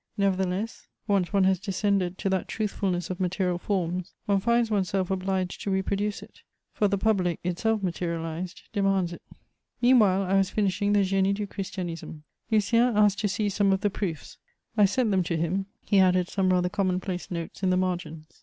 Nevertheless, once one has descended to that truthfulness of material forms, one finds one's self obliged to reproduce it; for the public, itself materialized, demands it. [Sidenote: Comments on the Génie.] Meanwhile I was finishing the Génie du Christianisme: Lucien asked to see some of the proofs; I sent them to him; he added some rather common place notes in the margins.